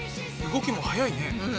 動きも速いね。